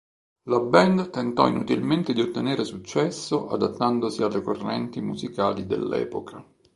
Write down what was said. La band tentò inutilmente di ottenere successo, adattandosi alle correnti musicali dell'epoca.